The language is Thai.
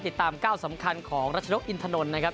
ติดตามก้าวสำคัญของรัชนกอินทนนท์นะครับ